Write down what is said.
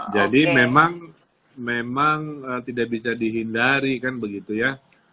jadi memang tidak bisa dihindari kan begitu ya